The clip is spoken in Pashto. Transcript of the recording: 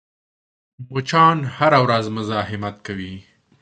مچان هره ورځ مزاحمت کوي